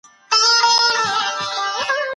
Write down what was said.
نصرالدين خان ملا نورمحمد غلجى